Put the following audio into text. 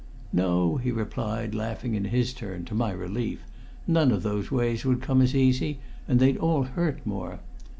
"No," he replied, laughing in his turn, to my relief; "none of those ways would come as easy, and they'd all hurt more.